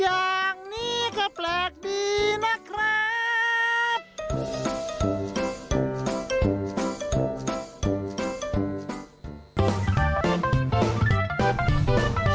อย่างนี้ก็แปลกดีนะครับ